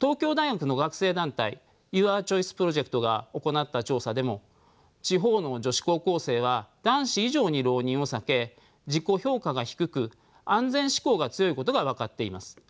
東京大学の学生団体ユアチョイスプロジェクトが行った調査でも地方の女子高校生は男子以上に浪人を避け自己評価が低く安全志向が強いことが分かっています。